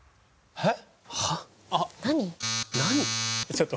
えっ？